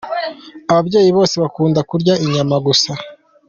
Ababyeyi bose bakunda kurya inyama gusa.